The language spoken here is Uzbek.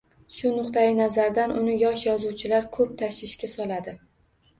Shu nuqtai nazardan uni yosh yozuvchilar ko‘p tashvishga soladi